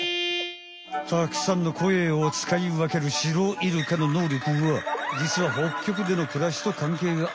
たくさんの声をつかいわけるシロイルカののうりょくはじつは北極でのくらしと関係がある。